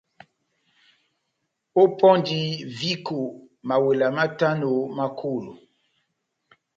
Ópɔndi viko mawela matano ma kolo.